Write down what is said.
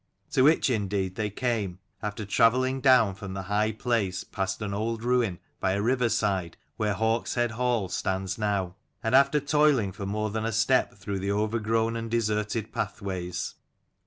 To which indeed they came, after travelling down from the high place past an old ruin by a river side where Hawks head Hall stands now, and after toiling for more than a step through the overgrown and deserted pathways.